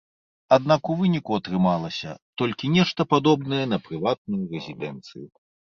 Аднак у выніку атрымалася толькі нешта падобнае на прыватную рэзідэнцыю.